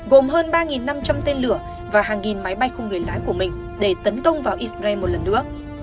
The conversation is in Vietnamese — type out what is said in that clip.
gồm hơn ba năm trăm linh tên lửa và hàng nghìn máy bay không người lái của mình để tấn công vào israel một lần nữa